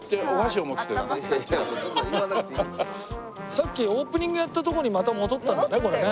さっきオープニングやったとこにまた戻ったんだねこれね。